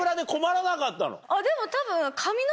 でも多分。